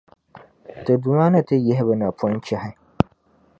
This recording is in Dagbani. ti Duuma ni ti yihi bɛ napɔnchahi.